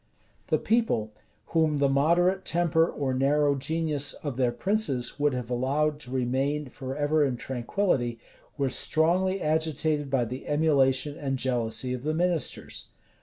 The people, whom the moderate temper or narrow genius of their princes would have allowed to remain forever in tranquillity, were strongly agitated by the emulation and jealousy of the ministers.